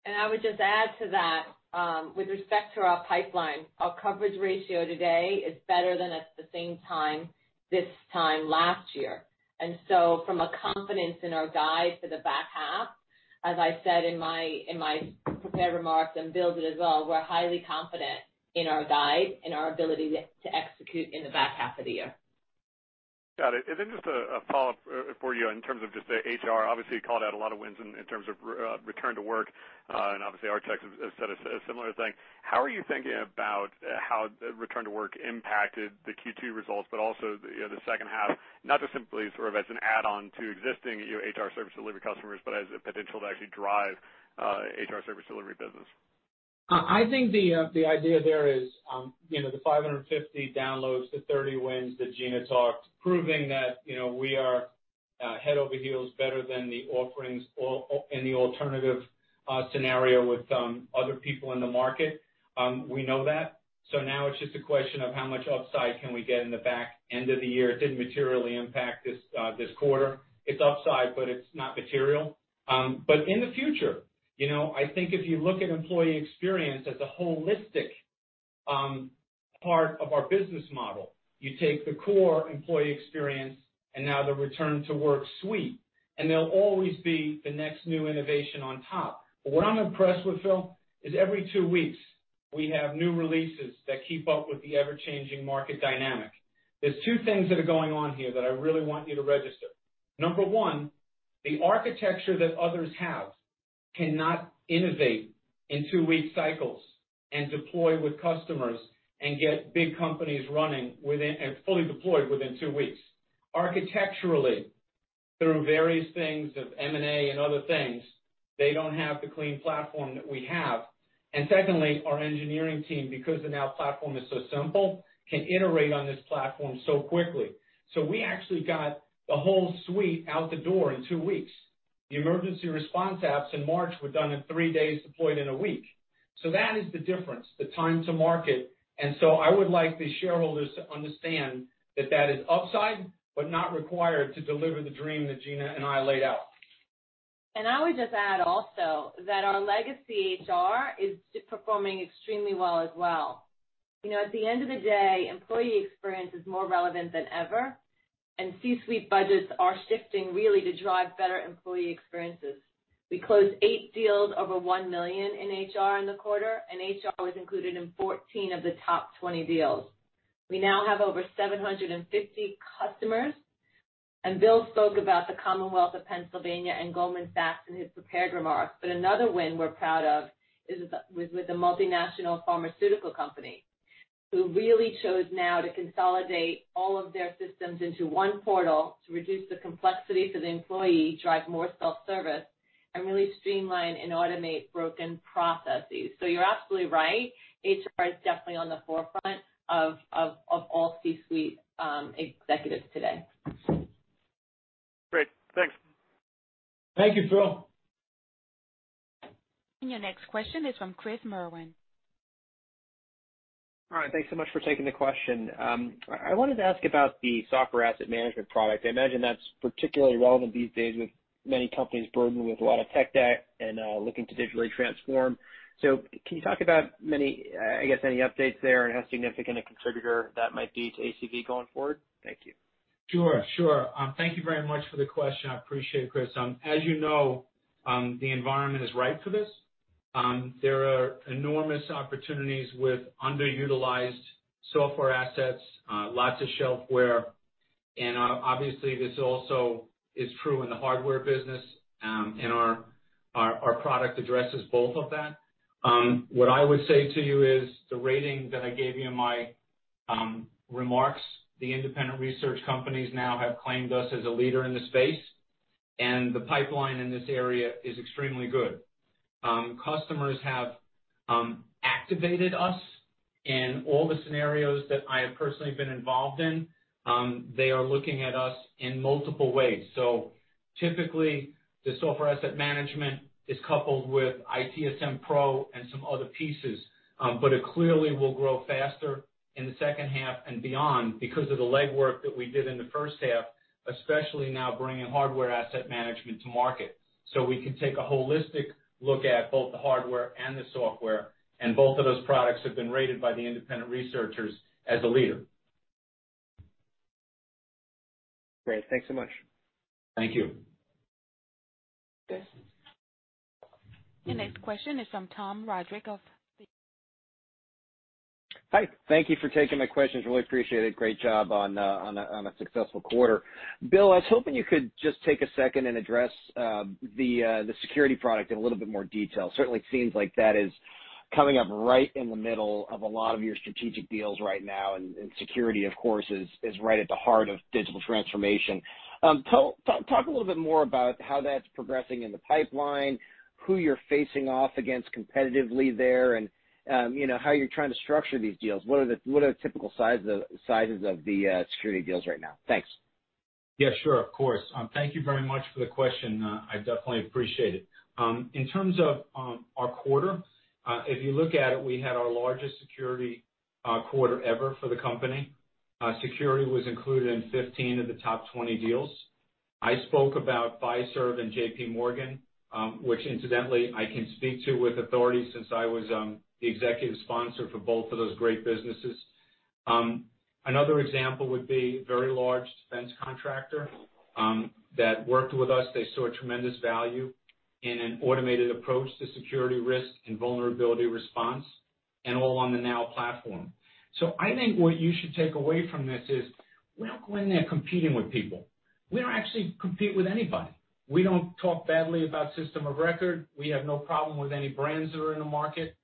I would just add to that, with respect to our pipeline, our coverage ratio today is better than at the same time this time last year. From a confidence in our guide for the back half, as I said in my prepared remarks, and Bill did as well, we're highly confident in our guide and our ability to execute in the back half of the year. Got it. Just a follow-up for you in terms of just the HR. Obviously, you called out a lot of wins in terms of Return to Work. Obviously, our tech has said a similar thing. How are you thinking about how the Return to Work impacted the Q2 results, but also the second half, not just simply sort of as an add-on to existing HR Service Delivery customers, but as a potential to actually drive HR Service Delivery business? I think the idea there is the 550 downloads, the 30 wins that Gina talked, proving that we are head over heels better than the offerings or any alternative scenario with other people in the market. Now it's just a question of how much upside can we get in the back end of the year. It didn't materially impact this quarter. It's upside, but it's not material. In the future, I think if you look at employee experience as a holistic part of our business model, you take the core employee experience and now the Safe Workplace suite, and there'll always be the next new innovation on top. What I'm impressed with, Phil, is every two weeks, we have new releases that keep up with the ever-changing market dynamic. There's two things that are going on here that I really want you to register. Number one, the architecture that others have cannot innovate in two-week cycles and deploy with customers and get big companies running and fully deployed within two weeks. Architecturally, through various things of M&A and other things, they don't have the clean platform that we have. Secondly, our engineering team, because the Now Platform is so simple, can iterate on this platform so quickly. We actually got the whole suite out the door in two weeks. The emergency response apps in March were done in three days, deployed in a week. That is the difference, the time to market. I would like the shareholders to understand that that is upside, but not required to deliver the dream that Gina and I laid out. I would just add also that our legacy HR is performing extremely well as well. At the end of the day, employee experience is more relevant than ever. And C-suite budgets are shifting really to drive better employee experiences. We closed eight deals over $1 million in HR in the quarter, and HR was included in 14 of the top 20 deals. We now have over 750 customers, and Bill spoke about the Commonwealth of Pennsylvania and Goldman Sachs in his prepared remarks. Another win we're proud of is with a multinational pharmaceutical company, who really chose now to consolidate all of their systems into one portal to reduce the complexity for the employee, drive more self-service, and really streamline and automate broken processes. You're absolutely right, HR is definitely on the forefront of all C-suite executives today. Great. Thanks. Thank you, Phil. Your next question is from Chris Merwin. All right. Thanks so much for taking the question. I wanted to ask about the Software Asset Management product. I imagine that's particularly relevant these days with many companies burdened with a lot of tech debt and looking to digitally transform. Can you talk about, I guess, any updates there and how significant a contributor that might be to ACV going forward? Thank you. Sure. Thank you very much for the question. I appreciate it, Chris. As you know, the environment is ripe for this. There are enormous opportunities with underutilized software assets, lots of shelfware, and obviously, this also is true in the hardware business, and our product addresses both of that. What I would say to you is the rating that I gave you in my remarks, the independent research companies now have claimed us as a leader in the space, and the pipeline in this area is extremely good. Customers have activated us in all the scenarios that I have personally been involved in. They are looking at us in multiple ways. Typically, the Software Asset Management is coupled with ITSM Pro and some other pieces. It clearly will grow faster in the second half and beyond because of the legwork that we did in the first half, especially now bringing Hardware Asset Management to market. We can take a holistic look at both the hardware and the software, and both of those products have been rated by the independent researchers as a leader. Great. Thanks so much. Thank you. The next question is from Tom Roderick of. Hi. Thank you for taking my questions. Really appreciate it. Great job on a successful quarter. Bill, I was hoping you could just take a second and address the security product in a little bit more detail. Certainly it seems like that is coming up right in the middle of a lot of your strategic deals right now, and security, of course, is right at the heart of digital transformation. Talk a little bit more about how that's progressing in the pipeline, who you're facing off against competitively there, and how you're trying to structure these deals. What are the typical sizes of the security deals right now? Thanks. Yeah, sure. Of course. Thank you very much for the question. I definitely appreciate it. In terms of our quarter, if you look at it, we had our largest security quarter ever for the company. Security was included in 15 of the top 20 deals. I spoke about Fiserv and JPMorgan, which incidentally, I can speak to with authority since I was the executive sponsor for both of those great businesses. Another example would be a very large defense contractor that worked with us. They saw tremendous value in an automated approach to security risk and vulnerability response, and all on the Now Platform. I think what you should take away from this is we're not going there competing with people. We don't actually compete with anybody. We don't talk badly about system of record. We have no problem with any brands that are in the market,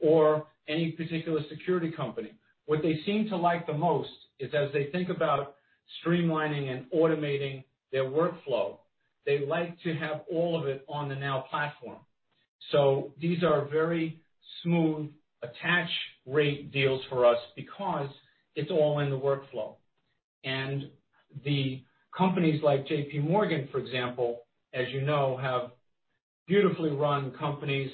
or any particular security company. What they seem to like the most is as they think about streamlining and automating their workflow, they like to have all of it on the Now Platform. These are very smooth attach rate deals for us because it's all in the workflow. The companies like JPMorgan, for example, as you know, have beautifully run companies,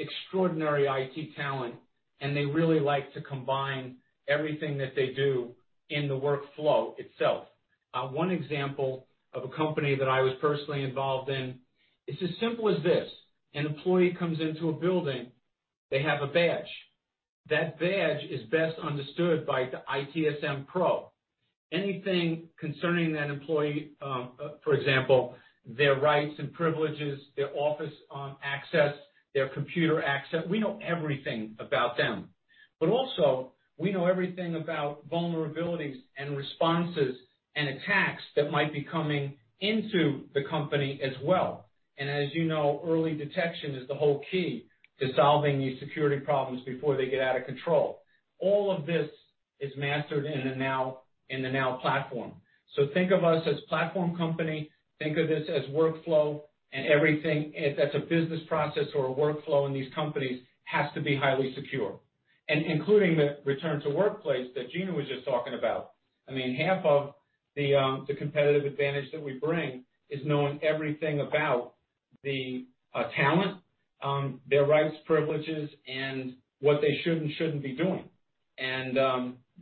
extraordinary IT talent, and they really like to combine everything that they do in the workflow itself. One example of a company that I was personally involved in, it's as simple as this. An employee comes into a building, they have a badge. That badge is best understood by the ITSM Pro. Anything concerning that employee, for example, their rights and privileges, their office access, their computer access, we know everything about them. Also, we know everything about vulnerabilities and responses and attacks that might be coming into the company as well. As you know, early detection is the whole key to solving these security problems before they get out of control. All of this is mastered in the Now Platform. Think of us as platform company, think of this as workflow and everything that's a business process or a workflow in these companies has to be highly secure. Including the return to workplace that Gina was just talking about. I mean, half of the competitive advantage that we bring is knowing everything about the talent, their rights, privileges, and what they should and shouldn't be doing.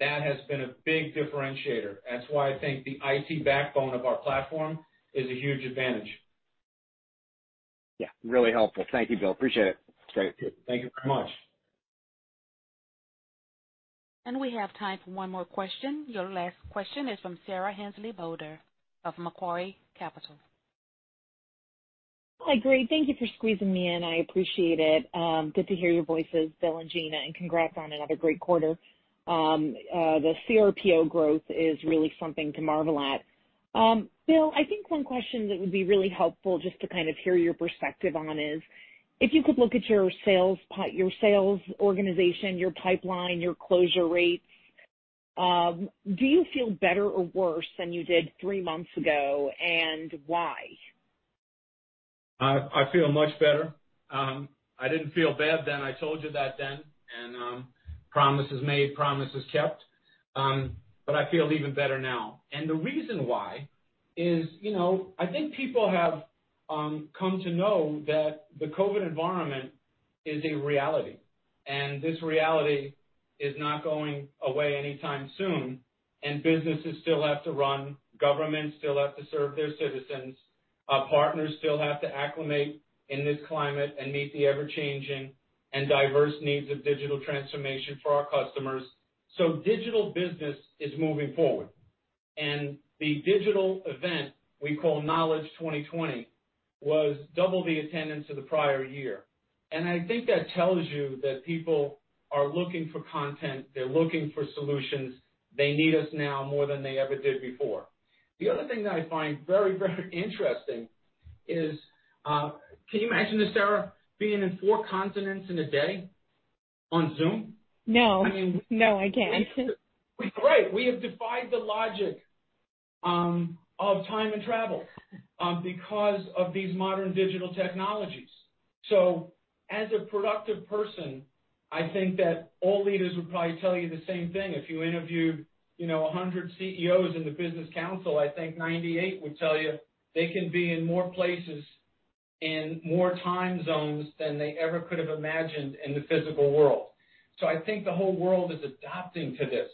That has been a big differentiator. That's why I think the IT backbone of our platform is a huge advantage. Yeah, really helpful. Thank you, Bill. Appreciate it. Take care. Thank you very much. We have time for one more question. Your last question is from Sarah Hindlian-Bowler of Macquarie Capital. Hi, great. Thank you for squeezing me in. I appreciate it. Good to hear your voices, Bill and Gina, and congrats on another great quarter. The CRPO growth is really something to marvel at. Bill, I think one question that would be really helpful just to kind of hear your perspective on is, if you could look at your sales organization, your pipeline, your closure rates, do you feel better or worse than you did three months ago, and why? I feel much better. I didn't feel bad then. I told you that then. Promises made, promises kept. I feel even better now. The reason why is, I think people have come to know that the COVID environment is a reality, and this reality is not going away anytime soon, and businesses still have to run, governments still have to serve their citizens, our partners still have to acclimate in this climate and meet the ever-changing and diverse needs of digital transformation for our customers. Digital business is moving forward, and the digital event we call Knowledge 2020 was double the attendance of the prior year. I think that tells you that people are looking for content. They're looking for solutions. They need us now more than they ever did before. The other thing that I find very, very interesting is, can you imagine this, Sarah, being in four continents in a day on Zoom? No. No, I can't. Right. We have defied the logic of time and travel because of these modern digital technologies. As a productive person, I think that all leaders would probably tell you the same thing. If you interviewed 100 CEOs in the Business Council, I think 98 would tell you they can be in more places, in more time zones than they ever could have imagined in the physical world. I think the whole world is adapting to this.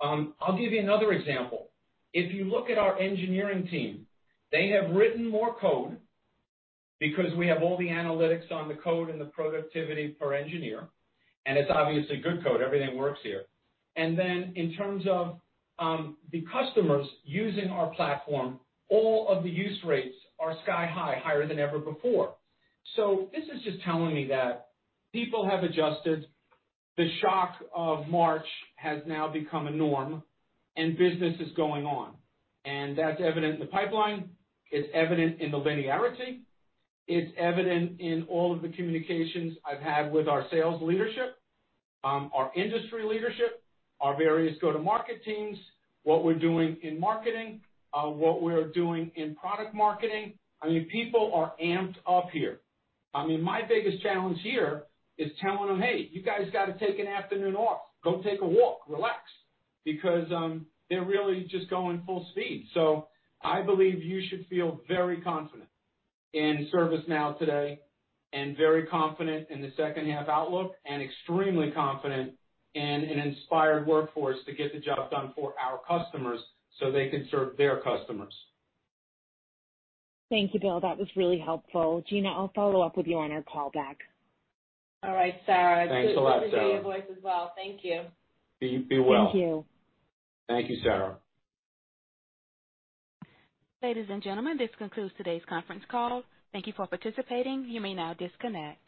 I'll give you another example. If you look at our engineering team, they have written more code because we have all the analytics on the code and the productivity per engineer, and it's obviously good code. Everything works here. In terms of the customers using our platform, all of the use rates are sky high, higher than ever before. This is just telling me that people have adjusted. The shock of March has now become a norm, and business is going on, and that's evident in the pipeline, it's evident in the linearity. It's evident in all of the communications I've had with our sales leadership, our industry leadership, our various go-to-market teams, what we're doing in marketing, what we're doing in product marketing. People are amped up here. My biggest challenge here is telling them, "Hey, you guys got to take an afternoon off. Go take a walk, relax," because they're really just going full speed. I believe you should feel very confident in ServiceNow today, and very confident in the second half outlook, and extremely confident in an inspired workforce to get the job done for our customers so they can serve their customers. Thank you, Bill. That was really helpful. Gina, I'll follow up with you on our call back. All right, Sarah. Thanks a lot, Sarah. It's good to hear your voice as well. Thank you. Be well. Thank you. Thank you, Sarah. Ladies and gentlemen, this concludes today's conference call. Thank you for participating. You may now disconnect.